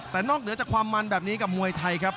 แต่นอกเหนือจากความมันแบบนี้กับมวยไทยครับ